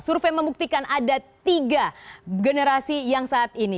survei membuktikan ada tiga generasi yang saat ini